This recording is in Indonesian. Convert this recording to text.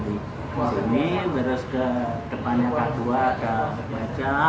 di sini terus ke depannya kedua ke wajah